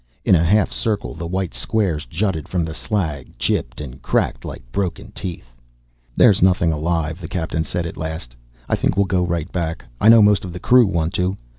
In a half circle the white squares jutted from the slag, chipped and cracked, like broken teeth. "There's nothing alive," the Captain said at last. "I think we'll go right back; I know most of the crew want to.